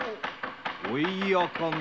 おいやかな？